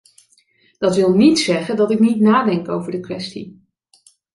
Dat wil niet zeggen dat ik niet nadenk over de kwestie.